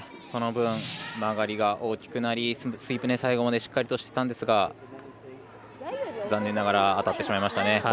その分、曲がりが大きくなりスイープ、最後までしっかりしていたんですが残念ながら当たってしまいましたね。